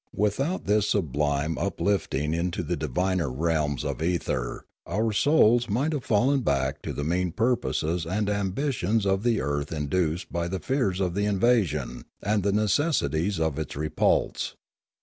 Without this sublime up The Duomovamolan 229 lifting into the diviner realms of ether our souls might have fallen back to the mean purposes and ambitions of earth induced by the fears of the invasion and the necessities of its repulse.